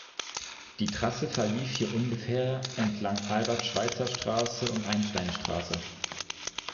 Die Trasse verlief hier ungefähr entlang Albert-Schweitzer-Straße und Einsteinstraße.